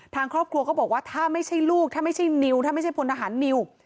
ทางครอบครัวก็บอกว่าถ้าไม่ใช่ลูกถ้าไม่ใช่นิวถ้าไม่ใช่พลทหารนิว